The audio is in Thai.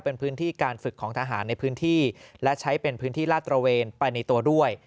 เป็นพื้นที่การฝึกของทหารในพื้นที่และใช้เป็นพื้นที่ลาดตระเวนไปในตัวด้วย